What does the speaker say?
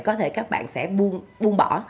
có thể các bạn sẽ buông bỏ